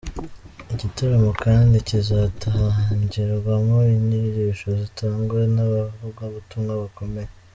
Igitaramo kandi kizatangirwamo inyigisho zizatangwa n’abavugabutumwa bakomeye.